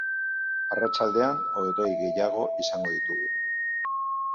Arratsaldean, hodei gehiago izango ditugu.